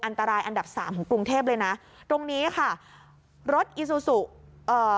อันตรายอันดับสามของกรุงเทพเลยนะตรงนี้ค่ะรถอีซูซูเอ่อ